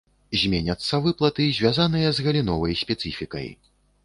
Зменяцца выплаты, звязаныя з галіновай спецыфікай.